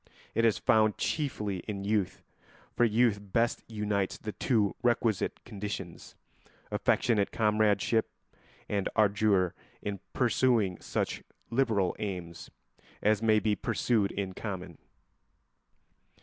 It is found chiefly in youth, for youth best unites the two requisite conditions—affectionate comradeship and ardour in pursuing such liberal aims as may be pursued in common.